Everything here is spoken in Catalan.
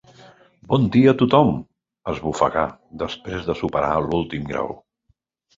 Bon dia a tothom —esbufega després de superar l'últim graó.